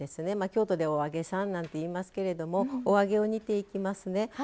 京都ではお揚げさんなんていいますけれどもお揚げを煮ていきますね。